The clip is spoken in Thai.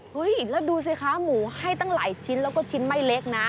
แล้วดูสิคะหมูให้ตั้งหลายชิ้นแล้วก็ชิ้นไม่เล็กนะ